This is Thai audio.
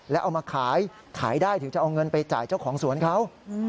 แล้วเอามาขายขายได้ถึงจะเอาเงินไปจ่ายเจ้าของสวนเขา